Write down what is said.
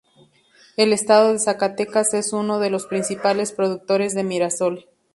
El estado de Zacatecas es uno de los principales productores de mirasol.